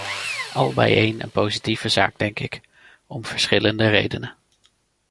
Al bijeen een positieve zaak, denk ik, om verschillende redenen.